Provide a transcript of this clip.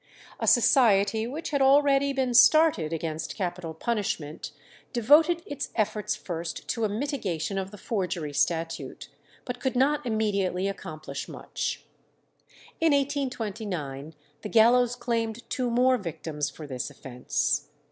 A society which had already been started against capital punishment devoted its efforts first to a mitigation of the forgery statute, but could not immediately accomplish much. In 1829 the gallows claimed two more victims for this offence.